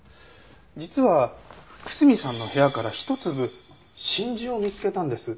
実は楠見さんの部屋から一粒真珠を見つけたんです。